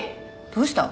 どうした？